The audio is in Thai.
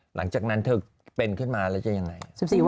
หลังจากนั้นเธอเป็นขึ้นมาแล้วจะยังไง